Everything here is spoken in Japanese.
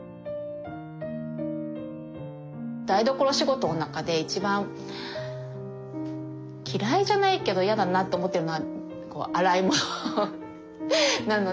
台所仕事の中で一番嫌いじゃないけどやだなと思ってるのは洗い物なので。